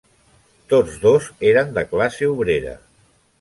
Tots dos eren de classe obrera.